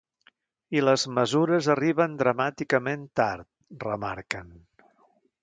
I les mesures arriben dramàticament tard, remarquen.